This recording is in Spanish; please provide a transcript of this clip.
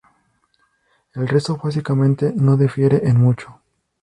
El rezo, básicamente, no difiere en mucho.